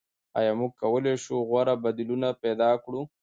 آیا موږ کولای شو غوره بدیلونه پیدا کړو؟